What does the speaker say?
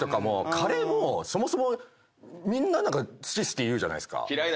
カレーもそもそもみんな何か好き好き言うじゃないですか。